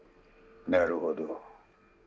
なるほど。